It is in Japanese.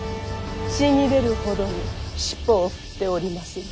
ちぎれるほどに尻尾を振っておりまする。